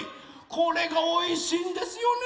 これがおいしいんですよね